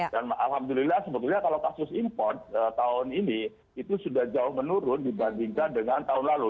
dan alhamdulillah sebetulnya kalau kasus import tahun ini itu sudah jauh menurun dibandingkan dengan tahun lalu